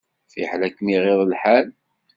Fiḥel ad kem-iɣiḍ lḥal.